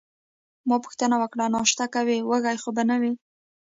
ما پوښتنه وکړه: ناشته کوې، وږې خو به نه یې؟